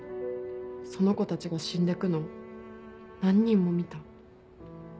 その子たちが死んでくの何人も見た。